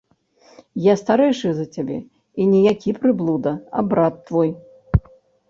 Я старэйшы за цябе і не які прыблуда, а брат твой.